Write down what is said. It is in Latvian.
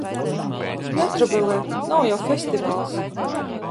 Netrobelē! Nav jau festivāls!